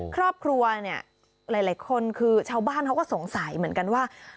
ครอบครัวหลายคนเช้าบ้านเขาก็สงสัยเหมือนกันว่า